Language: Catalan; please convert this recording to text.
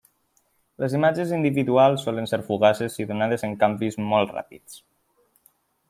Les imatges individuals solen ser fugaces i donades amb canvis molt ràpids.